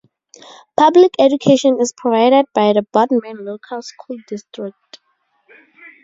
Public education is provided by the Boardman Local School District.